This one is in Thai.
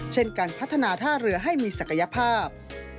เช่นการพัฒนาท่าเรือให้มีศักยภาพ